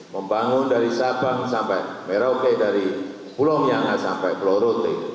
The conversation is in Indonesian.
membangun dari sabang sampai merauke dari pulau myanga sampai pulau rote